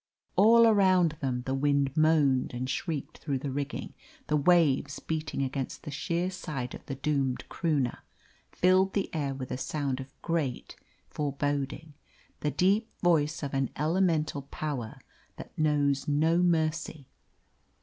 All around them the wind moaned and shrieked through the rigging; the waves, beating against the sheer side of the doomed Croonah, filled the air with a sound of great foreboding the deep voice of an elemental power that knows no mercy.